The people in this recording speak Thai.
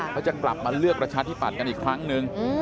เขาจะกลับมาเลือกประชาธิปัตย์กันอีกครั้งนึง